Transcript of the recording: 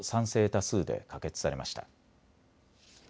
多数で可決されました。